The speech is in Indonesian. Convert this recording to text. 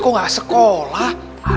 kok ga sekolah